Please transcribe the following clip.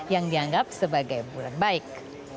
yang dianggap sebagai bulan baik